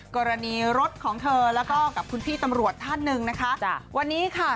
กรณีรถของเธอแล้วก็กับคุณพี่ตำรวจท่านหนึ่งนะคะจ้ะวันนี้ค่ะ